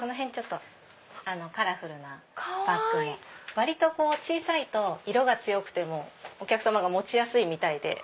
割と小さいと色が強くてもお客さまが持ちやすいみたいで。